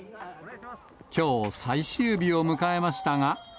きょう、最終日を迎えましたが。